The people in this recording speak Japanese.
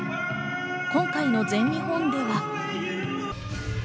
今回の全日本では。